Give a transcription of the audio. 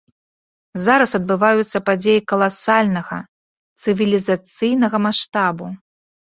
Зараз адбываюцца падзеі каласальнага, цывілізацыйнага маштабу.